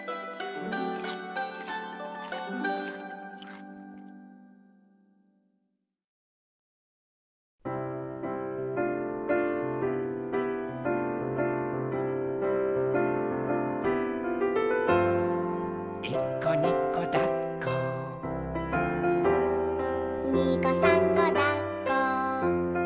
「いっこにこだっこ」「にこさんこだっこ」